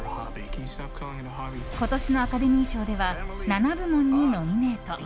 今年のアカデミー賞では７部門にノミネート。